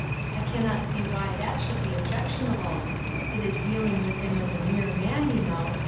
I cannot see why that should be objectionable. It is dealing with him as a mere man, you know.